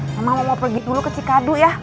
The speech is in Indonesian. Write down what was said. sama mau pergi dulu ke cikadu ya